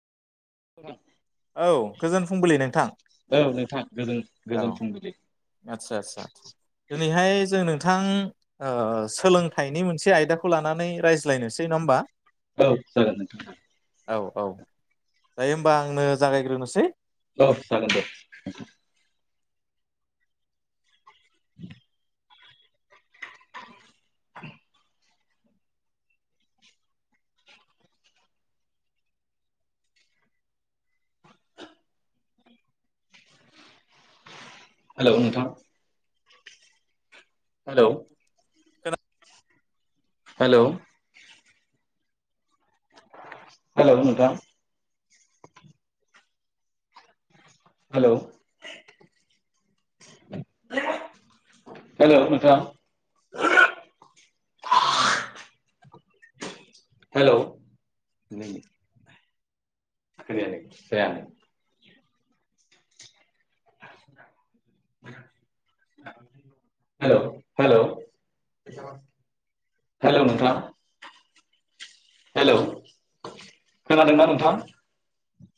औ गोजोन फुंबिलि नोंथां औ नोंथां गोजो औ गोजोन फुंबिलि। आदसा आदसा आदसा दिनैहाय जों नोंथां ओह सोलोंथाइनि मोनसे आयदाखौ लानानै रायज्लायनोसै नङा होमबा? औ जागोन नोंथां जागोन। औ औ दायो होमबा आंनो जागायग्रोनोसै? औ जागोन दे नोंथां। हेल' नोंथां! हेल'! हेल'! हेल' नोंथां! हेल'! हेल' नोंथां! हेल'! [unintelligible] खोनायाखै [unintelligible] हेल' हेल'! हेल' नोंथां! हेल'! खोनादोंना नोंथां?